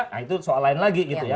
nah itu soal lain lagi gitu ya